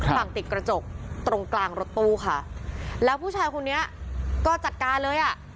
ฝั่งติดกระจกตรงกลางรถตู้ค่ะแล้วผู้ชายคนนี้ก็จัดการเลยอ่ะ